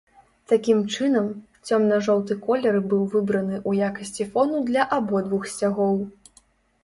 Такім чынам, цёмна-жоўты колер быў выбраны ў якасці фону для абодвух сцягоў.